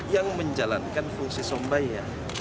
yang menjalankan fungsi sombaya